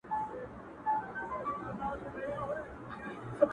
ستا د مخ له اب سره ياري کوي،